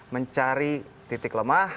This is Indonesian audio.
mencari titik lemah